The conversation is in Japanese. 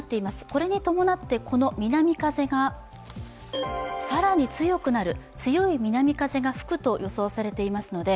これに伴って南風が更に強くなる、強い南風が吹くと予想されていますので